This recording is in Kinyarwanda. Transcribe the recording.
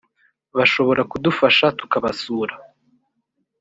bashobora kudufasha tukabasura